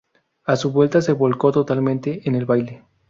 A su vuelta se volcó totalmente en el baile.